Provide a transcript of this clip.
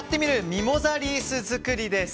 ミモザリース作りです。